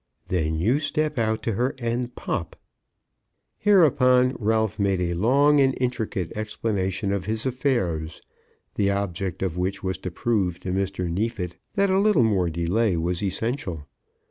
"Then you step out to her and pop." Hereupon Ralph made a long and intricate explanation of his affairs, the object of which was to prove to Mr. Neefit that a little more delay was essential.